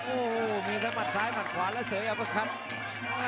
โอ้โหมีแค่มัดซ้ายมัดขวานและเสยอัพพะคัม